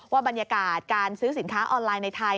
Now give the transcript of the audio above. บรรยากาศการซื้อสินค้าออนไลน์ในไทย